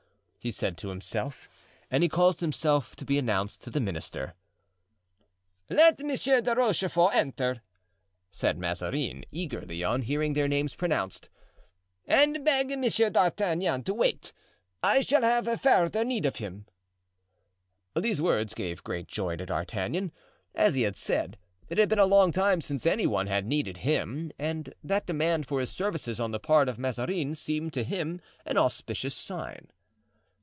he said to himself. And he caused himself to be announced to the minister. "Let M. de Rochefort enter," said Mazarin, eagerly, on hearing their names pronounced; "and beg M. d'Artagnan to wait; I shall have further need of him." These words gave great joy to D'Artagnan. As he had said, it had been a long time since any one had needed him; and that demand for his services on the part of Mazarin seemed to him an auspicious sign.